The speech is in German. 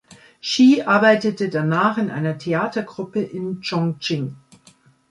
Shi arbeitete danach in einer Theatergruppe in Chongqing.